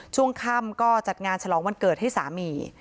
ช่วงค่ำก็จัดงานฉลองวันเกิดให้สามี